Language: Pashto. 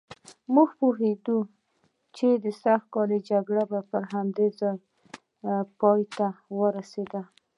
موږ پوهېدو چې د سږ کال جګړه پر همدې ځای پایته ورسېده.